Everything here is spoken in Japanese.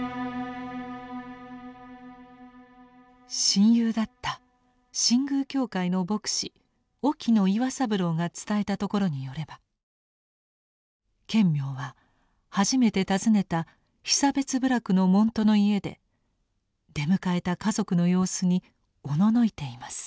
親友だった新宮教会の牧師沖野岩三郎が伝えたところによれば顕明は初めて訪ねた被差別部落の門徒の家で出迎えた家族の様子におののいています。